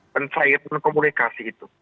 dan saya itu komunikasi itu